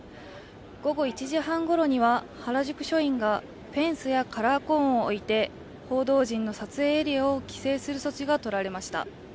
午後１時半ごろには原宿署員がフェンスやカラーコーンを置いて報道陣の撮影エリアを規制する措置が執られました。